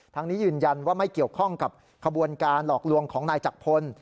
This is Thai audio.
ทั้งนี้ยืนยันว่าไม่เกี่ยวข้องกับขบวนการหลอกลวงของนายจักรพล